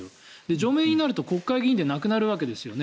除名になると国会議員でなくなるわけですよね。